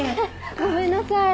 ごめんなさい。